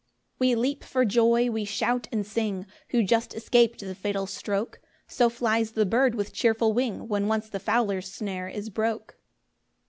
3 We leap for joy, we shout and sing, Who just escap'd the fatal stroke; So flies the bird with cheerful wing, When once the fowler's snare is broke.